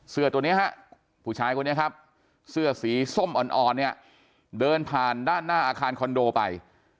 เสื้อตัวนี้ฮะผู้ชายคนนี้ครับเสื้อสีส้มอ่อนเนี่ยเดินผ่านด้านหน้าอาคารคอนโดไป